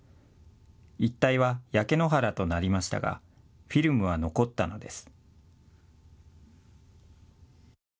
一帯は焼け野原となりましたがフィルムは残ったのです。